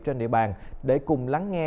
trên địa bàn để cùng lắng nghe